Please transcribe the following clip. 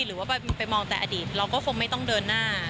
หรือว่าไปมองแต่อดีตเราก็คงไม่ต้องเดินหน้า